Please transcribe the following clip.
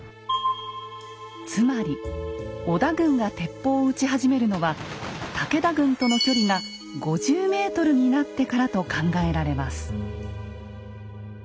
つまり織田軍が鉄砲を撃ち始めるのは武田軍との距離が５０ｍになってからと考えられます。